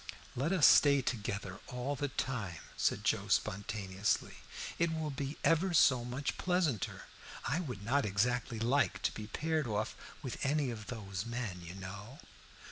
"Let us stay together all the time," said Joe spontaneously, "it will be ever so much pleasanter. I would not exactly like to be paired off with any of those men, you know."